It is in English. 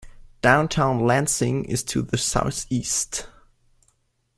Downtown Lansing is to the southeast.